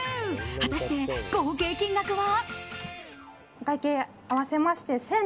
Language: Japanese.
果たして合計金額は？